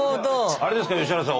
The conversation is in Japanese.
あれですかね吉原さん